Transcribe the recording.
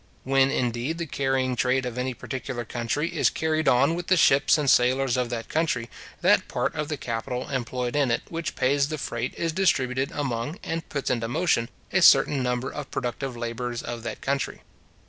When, indeed, the carrying trade of any particular country is carried on with the ships and sailors of that country, that part of the capital employed in it which pays the freight is distributed among, and puts into motion, a certain number of productive labourers of that country.